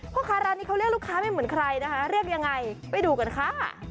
พ่อค้าร้านนี้เขาเรียกลูกค้าไม่เหมือนใครนะคะเรียกยังไงไปดูกันค่ะ